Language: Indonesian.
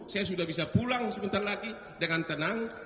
saya sudah bisa pulang sebentar lagi dengan tenang